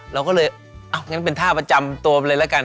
เราก็เลยเอางั้นเป็นท่าประจำตัวมันเลยละกัน